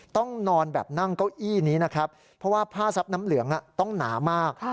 ต้องนอนแบบนั่งเก้าอี้นี้นะครับเพราะว่าผ้าซับน้ำเหลืองต้องหนามาก